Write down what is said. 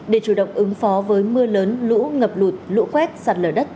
để chủ động ứng phó với mưa lớn lũ ngập lụt lũ quét sạt lở đất